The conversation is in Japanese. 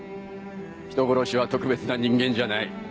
人殺しは特別な人間じゃない。